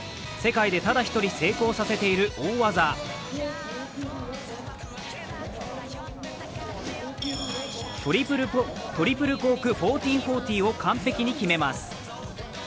世界でただ１人成功させている大技トリプルコーク１４４０を完璧に決めます。